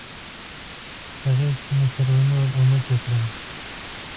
په غېږ کې مې سره ونیول او مچ يې کړم.